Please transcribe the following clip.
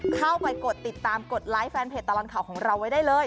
เข้าไปกดติดตามกดไลค์แฟนเพจตลอดข่าวของเราไว้ได้เลย